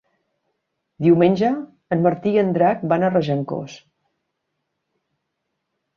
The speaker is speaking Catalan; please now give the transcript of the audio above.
Diumenge en Martí i en Drac van a Regencós.